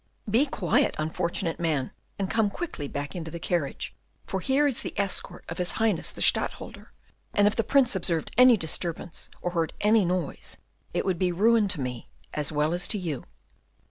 "Be quiet, unfortunate man, and come quickly back into the carriage, for here is the escort of his Highness the Stadtholder, and if the Prince observed any disturbance, or heard any noise, it would be ruin to me, as well as to you."